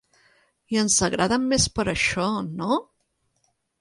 I ens agraden més per això, no?